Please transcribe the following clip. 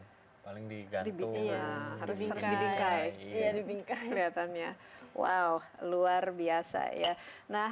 di rumah paling digantung harus di bingkai iya di bingkai kelihatannya wow luar biasa ya nah